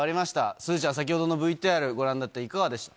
すずちゃん、先ほどのＶＴＲ、ご覧になって、いかがでしたか？